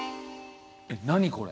えっ何これ？